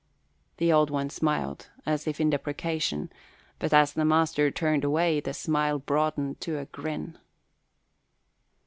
The Old One smiled as if in deprecation; but as the master turned away, the smile broadened to a grin.